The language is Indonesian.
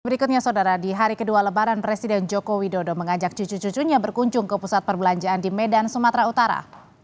berikutnya saudara di hari kedua lebaran presiden joko widodo mengajak cucu cucunya berkunjung ke pusat perbelanjaan di medan sumatera utara